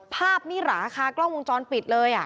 ภาพนี่หราคากล้องวงจรปิดเลยอ่ะ